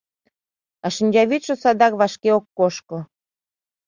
А шинчавӱдшӧ садак вашке ок кошко.